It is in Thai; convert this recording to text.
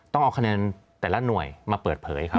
ต้องเอาคะแนนแต่ละหน่วยมาเปิดเผยครับ